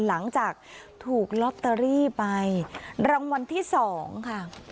หลังจากถูกลอตเตอรี่ไปรางวัลที่๒ค่ะ